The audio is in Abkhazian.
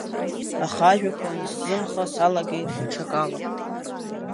Аха ажәақәа анысзымха, саламгеит ҽакала.